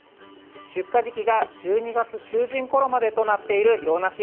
出荷時期が１２月中旬ごろまでとなっている洋梨。